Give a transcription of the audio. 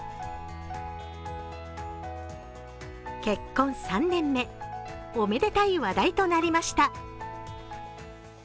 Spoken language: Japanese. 結婚３年目、おめでたい話題となりました。